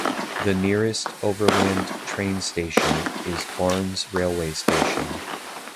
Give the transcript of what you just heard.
The nearest overland train station is Barnes railway station.